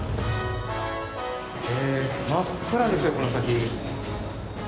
真っ暗ですよ、この先。